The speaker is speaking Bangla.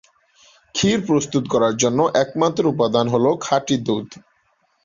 ক্ষীর প্রস্তুত করার জন্য একমাত্র উপাদান হলো খাঁটি দুধ।